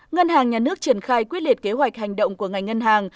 ngân hàng nhà nước triển khai quyết liệt kế hoạch hành động của ngành ngân hàng